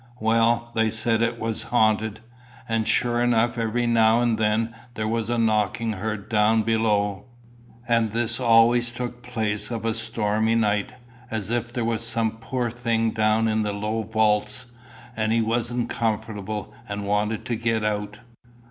Well, they said it was haunted; and sure enough every now and then there was a knocking heard down below. And this always took place of a stormy night, as if there was some poor thing down in the low wouts (vaults), and he wasn't comfortable and wanted to get out.